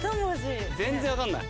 全然分かんない。